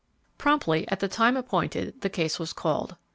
Promptly at the time appointed the case was called.